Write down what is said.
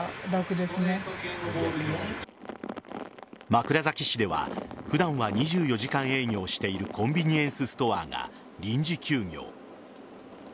枕崎市では普段は２４時間営業しているコンビニエンスストアが臨時休業。